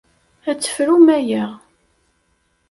Ad tefrum aya.